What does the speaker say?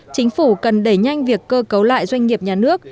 chính phủ cần đẩy nhanh việc cơ cấu lại doanh nghiệp nhà nước